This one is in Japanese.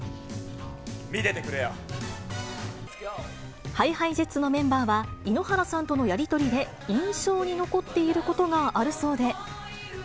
見ててくれよ。ＨｉＨｉＪｅｔｓのメンバーは、井ノ原さんとのやり取りで、印象に残っていることがあるそうで。